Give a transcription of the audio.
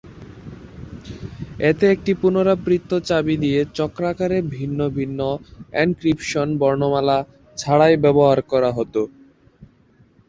এতে একটি পুনরাবৃত্ত চাবি দিয়ে চক্রাকারে ভিন্ন ভিন্ন এনক্রিপশন বর্ণমালা বাছাই করা হত।